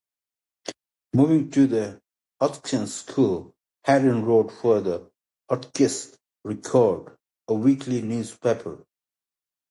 Moving to the Hotchkiss School, Hadden wrote for the "Hotchkiss Record", a weekly newspaper.